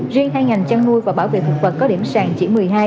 riêng hai ngành chăn nuôi và bảo vệ thực vật có điểm sàn chỉ một mươi hai